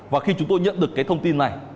và khi chúng tôi nhận được cái thông tin này